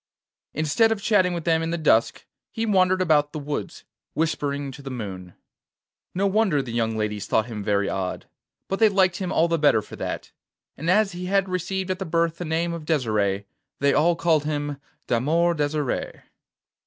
Instead of chatting with them in the dusk, he wandered about the woods, whispering to the moon. No wonder the young ladies thought him very odd, but they liked him all the better for that; and as he had received at his birth the name of Desire, they all called him d'Amour Desire.